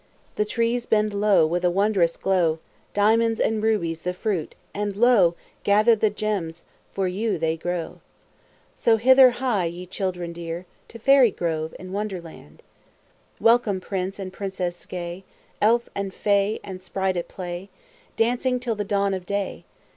The trees bend low with a wondrous glows Diamonds and rubies the fruit, and lo, Gather the gems, for you they grow. So hither hie, ye children dear! To Fairy Grove in Wonderland! Welcome prince and princess gay, Elf and fay and sprite at play, Dancing till the dawn of day.